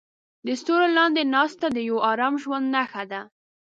د ستورو لاندې ناسته د یو ارام ژوند نښه ده.